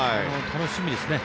楽しみですね。